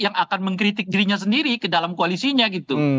yang akan mengkritik dirinya sendiri ke dalam koalisinya gitu